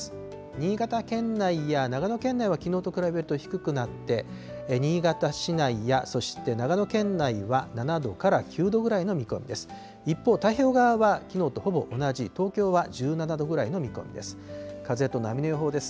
新潟県内や長野県内は、きのうと比べると低くなって、新潟市内や、そして長野県内は７度から９度ぐらいの見込みです。